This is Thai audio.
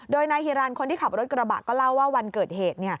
โดยนายฮิรันคนที่ขับรถกระบะก็เล่าว่าวันเกิดเหตุ